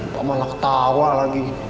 pak malak ketawa lagi